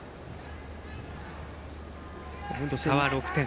差は６点。